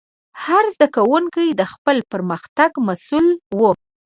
هر زده کوونکی د خپل پرمختګ مسؤل و.